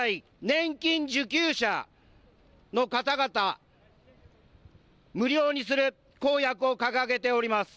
年金受給者の方々、無料にする公約を掲げております。